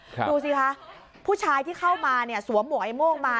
ดูซิคะผู้ชายที่เข้ามาสวมหมวกไอ้โม่งมา